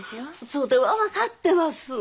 それは分かってます。